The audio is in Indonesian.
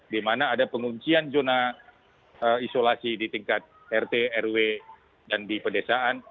di mana ada penguncian zona isolasi di tingkat rt rw dan di pedesaan